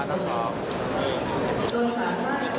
จนสามารถรับเห็นได้ภายในเวลาอังสัง